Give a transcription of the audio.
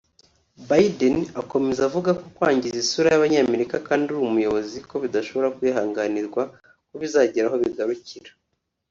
Biden akomeza avuga ko kwangiza isura y’abanyamerika kandi uri muyobozi ko bidashobora kwihanganirwa ko bizagira aho bigarukira